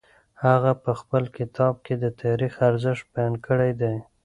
هغه په خپل کتاب کي د تاریخ ارزښت بیان کړی دی.